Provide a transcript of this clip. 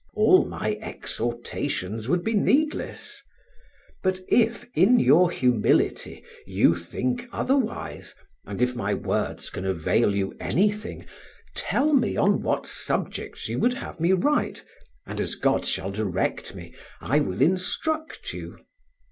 All my exhortations would be needless. But if, in your humility, you think otherwise, and if my words can avail you anything, tell me on what subjects you would have me write, and as God shall direct me I will instruct you.